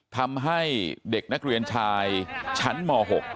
ทำให้เด็กนักเรียนชายชั้นม๖